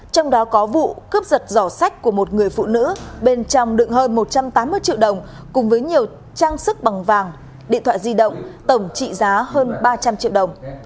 trong đó có vụ cướp giật giỏ sách của một người phụ nữ bên trong đựng hơn một trăm tám mươi triệu đồng cùng với nhiều trang sức bằng vàng điện thoại di động tổng trị giá hơn ba trăm linh triệu đồng